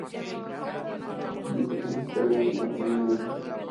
Viste camiseta granate y pantalón negro.